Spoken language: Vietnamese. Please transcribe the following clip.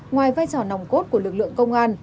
ngoài vai trò nòng cốt của lực lượng công an